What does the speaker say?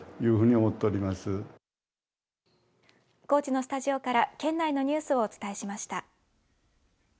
高知のスタジオから県内のニュースをお伝えしました。